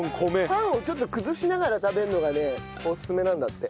パンをちょっと崩しながら食べるのがねオススメなんだって。